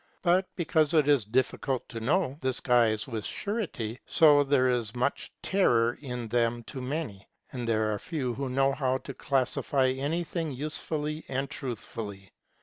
But because it is difficult to know the skies with surety, so there is much terror in them to many, and there are few who know how to classify anything usefully and truthfully.